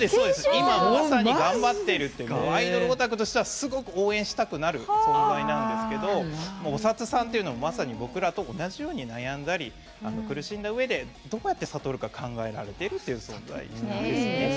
今まさに頑張ってるというかアイドルオタクとしてはすごく応援したくなる存在なんですけど、菩薩さんっていうのは、僕らと同じように悩んだり、苦しんだうえでどうやって悟るか考えていらっしゃるという存在ですね。